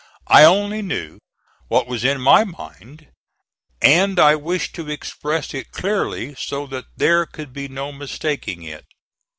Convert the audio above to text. I only knew what was in my mind, and I wished to express it clearly, so that there could be no mistaking it.